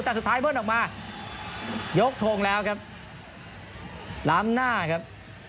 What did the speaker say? แต่สุดท้ายเบิ้ลออกมายกทงแล้วครับล้ำหน้าครับ